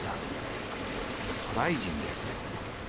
渡来人です。